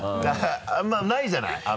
あんまりないじゃない？